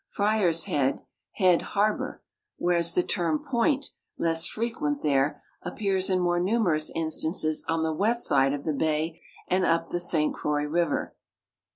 Friar's head. Head harbor — whereas tiie term " point," less frequent there, appears in more numerous instances on the Avest side of the bay and up the St Croix river.